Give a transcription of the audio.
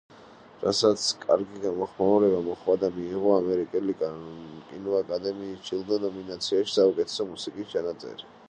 რასაც კარგი გამოხმაურება მოჰყვა და მიიღო ამერიკული კინოაკადემიის ჯილდო ნომინაციაში საუკეთესო მუსიკის ჩანაწერი.